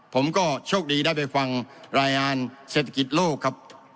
ผมก็โชคดีได้ไปฟังรายงานเศรษฐกิจโลกครับ